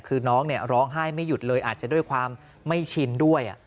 คือน้องร้องไห้ไม่หยุดเลยอาจจะด้วยความไม่ชินด้วย